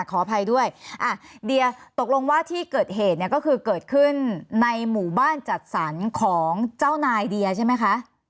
ขออภัยด้วยอ่ะเดียตกลงว่าที่เกิดเหตุเนี่ยก็คือเกิดขึ้นในหมู่บ้านจัดสรรของเจ้านายเดียใช่ไหมคะ